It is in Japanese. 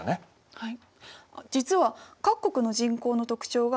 はい。